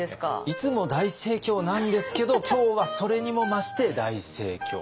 いつも大盛況なんですけど今日はそれにも増して大盛況。